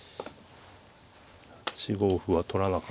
８五歩は取らなかったですね。